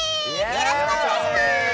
よろしくお願いします！